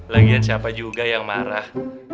lagian siapa juga yang marah